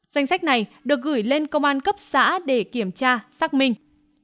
danh sách này được gửi lên công an cấp xã để kiểm tra xác minh